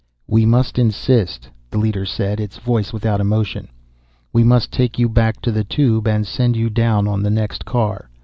"We must insist," the leader said, its voice without emotion. "We must take you back to the Tube and send you down on the next car.